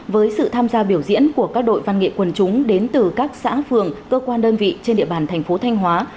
với sự tham gia biểu diễn của các đội văn nghệ quần chúng đến từ các xã phường cơ quan đơn vị trên địa bàn thành phố thanh hóa